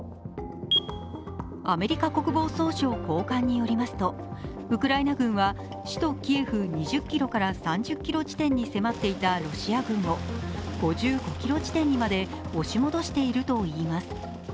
アメリカ国防総省高官によりますとウクライナ軍は首都キエフ２０ｋｍから３０ｋｍ地点に迫っていたロシア軍を５５ｋｍ地点にまで押し戻しているといいます。